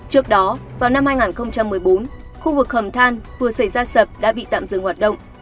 trước đó vào năm hai nghìn một mươi bốn khu vực hầm than vừa xảy ra sập đã bị tạm dừng hoạt động